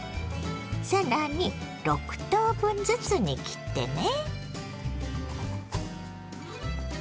更に６等分ずつに切ってね。